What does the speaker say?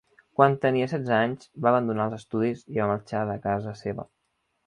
Quan tenia setze anys va abandonar els estudis i va marxar de casa seva.